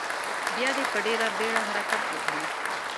بیا دې په ډیره بیړه حرکت وکړي.